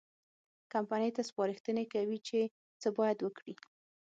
کمپنۍ ته سپارښتنې کوي چې څه باید وکړي.